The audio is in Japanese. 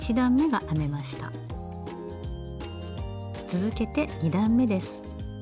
続けて２段めです。